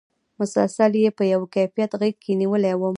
مسلسل یې په یوه کیفیت غېږ کې نېولی وم.